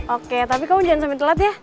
oke tapi kamu jangan sampai telat ya